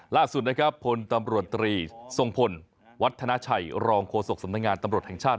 ล่าสุดนะครับพลตำรวจตรีทรงพลวัฒนาชัยรองโฆษกสำนักงานตำรวจแห่งชาติ